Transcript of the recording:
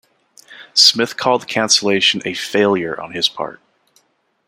Smith called the cancellation a "failure" on his part.